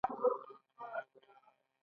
زموږ د اساسي قانون ځانګړنې کومې دي؟